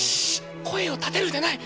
声を立てるでない。